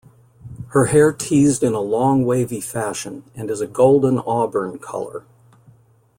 Her hair teased in a long wavy fashion, and is a golden-auburn color.